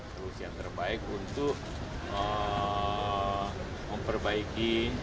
solusi yang terbaik untuk memperbaiki